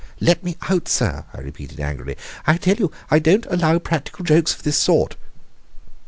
"Let me out, sir!" I repeated angrily. "I tell you I don't allow practical jokes of this sort."